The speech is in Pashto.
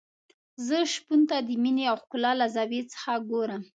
زه شپون ته د مينې او ښکلا له زاویې څخه ګورم.